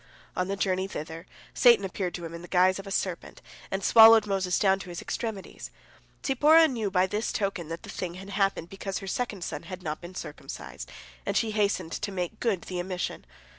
On the journey thither, Satan appeared to him in the guise of a serpent, and swallowed Moses down to his extremities. Zipporah knew by this token that the thing had happened because her second son had not been circumcised, and she hastened to make good the omission.